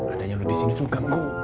ada yang ada disini tuh ganggu